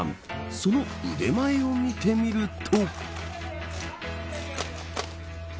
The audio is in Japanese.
その腕前を見てみると。